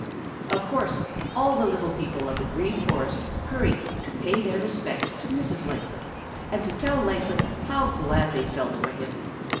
Of course, all the little people of the Green Forest hurried to pay their respects to Mrs. Lightfoot and to tell Lightfoot how glad they felt for him.